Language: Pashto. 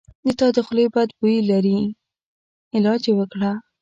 د تا د خولې بد بوي لري علاج یی وکړه